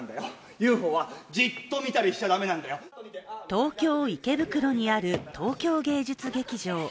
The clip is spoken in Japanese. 東京・池袋にある東京芸術劇場。